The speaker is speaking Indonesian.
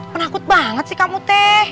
penakut banget sih kamu teh